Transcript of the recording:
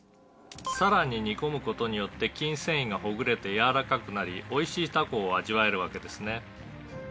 「さらに煮込む事によって筋繊維がほぐれて柔らかくなりおいしいタコを味わえるわけですね」